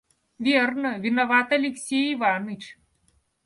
Верно, виноват Алексей Иваныч».